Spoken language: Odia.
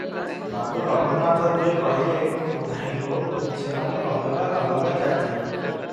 ବାବୁ ରଘୁନାଥ ଦେ କହିଲେ, "ନାହିଁ ହୋ, ସେମାନେ ଅଲଗା ଅଲଗା ଜାତି ।